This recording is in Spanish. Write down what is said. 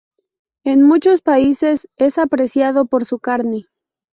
En muchos países, es apreciado por su carne.